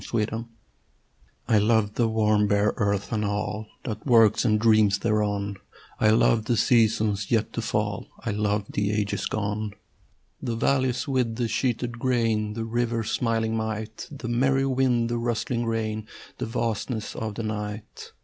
AMOR VITÆ I love the warm bare earth and all That works and dreams thereon: I love the seasons yet to fall: I love the ages gone, The valleys with the sheeted grain, The river's smiling might, The merry wind, the rustling rain, The vastness of the night.